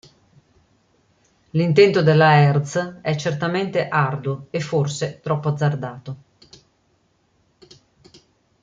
L'intento della Hertz è certamente arduo e forse troppo azzardato.